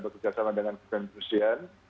bekerjasama dengan ketentusian